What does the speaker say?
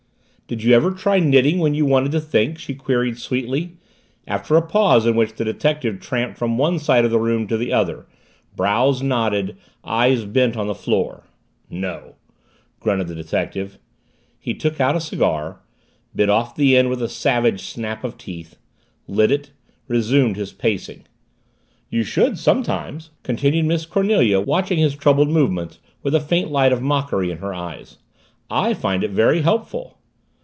"Did you ever try knitting when you wanted to think?" she queried sweetly, after a pause in which the detective tramped from one side of the room to the other, brows knotted, eyes bent on the floor. "No," grunted the detective. He took out a cigar bit off the end with a savage snap of teeth lit it resumed his pacing. "You should, sometimes," continued Miss Cornelia, watching his troubled movements with a faint light of mockery in her eyes. "I find it very helpful."